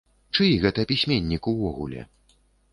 Чый гэта пісьменнік увогуле?